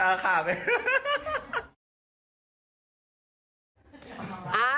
อ่าค่ะ